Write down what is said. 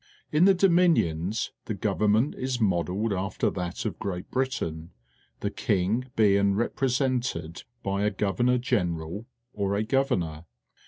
In the Dominions the government is modelled after that of Great Britain, the^uiig^ being repre sented by a G overno r General or a Governor.